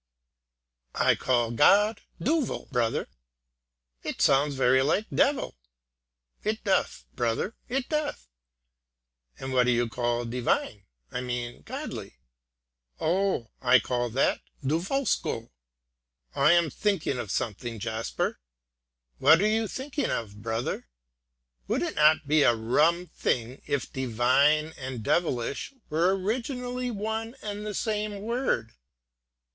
"I call God Duvel, brother." "It sounds very like Devil." "It doth, brother, it doth." "And what do you call divine, I mean godly?" "Oh! I call that duvelskoe." "I am thinking of something, Jasper." "What are you thinking of, brother?" "Would it not be a rum thing if divine and devilish were originally one and the same word?"